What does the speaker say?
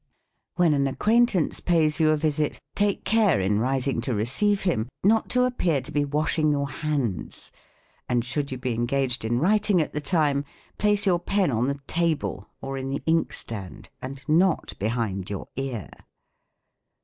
When an acquaintance pays you a visit, take care, in rising to receive him, not to appear to be washing your hands, and, should you be engaged in writing at the time, place your pen on the table, or in the ink stand, and not behind your ear.